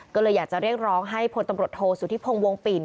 ก็เลยอยากจะเรียกร้องให้พลตำรวจโทษสุธิพงศ์วงปิ่น